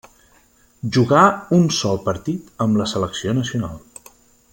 Jugà un sol partit amb la selecció nacional.